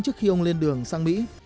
trước khi ông lên đường sang mỹ